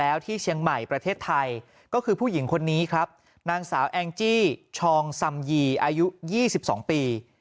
แล้วที่เชียงใหม่ประเทศไทยก็คือผู้หญิงคนนี้ครับนางสาวแองจี้ชองซัมยีอายุ๒๒ปี